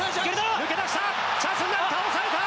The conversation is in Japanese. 抜け出した！